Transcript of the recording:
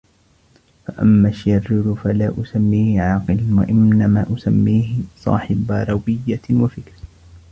فَأَمَّا الشِّرِّيرُ فَلَا أُسَمِّيهِ عَاقِلًا وَإِنَّمَا أُسَمِّيهِ صَاحِبَ رَوِيَّةٍ وَفِكْرٍ